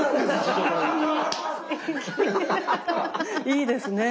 いいですね。